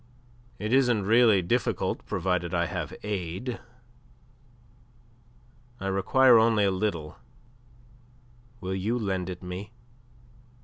"It isn't really difficult provided I have aid. I require only a little. Will you lend it me?"